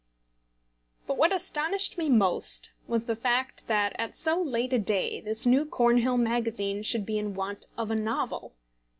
But what astonished me most was the fact that at so late a day this new Cornhill Magazine should be in want of a novel!